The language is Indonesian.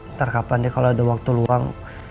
ntar kapan ya kalau ada waktu luang